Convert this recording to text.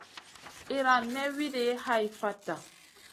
Iran may wuidi hai fatta.